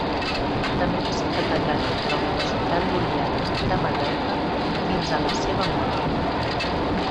També va ser catedràtic a la Universitat Lul·liana de Mallorca fins a la seva mort.